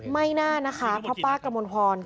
ไม่น่านะคะเพราะป้ากระมวลพร